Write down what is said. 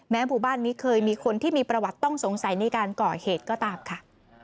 หมู่บ้านนี้เคยมีคนที่มีประวัติต้องสงสัยในการก่อเหตุก็ตามค่ะ